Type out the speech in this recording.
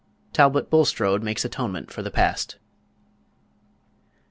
TALBOT BULSTRODE MAKES ATONEMENT FOR THE PAST.